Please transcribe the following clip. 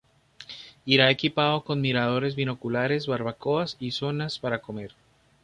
Irá equipado con miradores binoculares, barbacoas y zonas para comer.